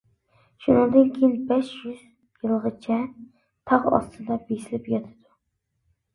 شۇنىڭدىن كېيىن بەش يۈز يىلغىچە تاغ ئاستىدا بېسىلىپ ياتىدۇ.